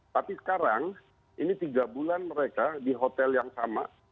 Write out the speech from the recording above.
tapi sekarang ini tiga bulan mereka di hotel yang sama